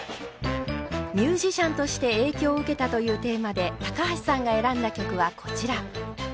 ミュージシャンとして影響を受けたというテーマで高橋さんが選んだ曲はこちら。